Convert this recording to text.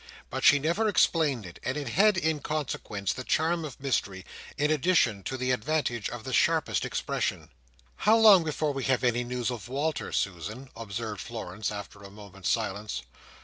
But she never explained it; and it had, in consequence, the charm of mystery, in addition to the advantage of the sharpest expression. "How long it is before we have any news of Walter, Susan!" observed Florence, after a moment's silence.